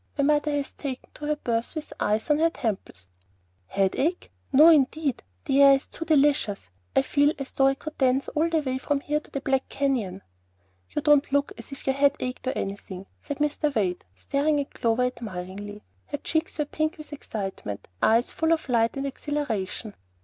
My mother has taken to her berth with ice on her temples." "Headache! No, indeed. This air is too delicious. I feel as though I could dance all the way from here to the Black Canyon." "You don't look as if your head ached, or anything," said Mr. Wade, staring at Clover admiringly. Her cheeks were pink with excitement, her eyes full of light and exhilaration.